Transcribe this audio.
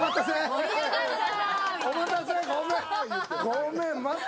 ごめん、待った？